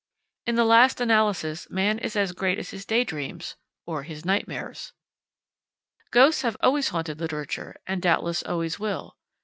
In the last analysis, man is as great as his daydreams or his nightmares! Ghosts have always haunted literature, and doubtless always will.